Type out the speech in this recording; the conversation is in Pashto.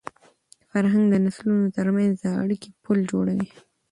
فرهنګ د نسلونو تر منځ د اړیکي پُل جوړوي.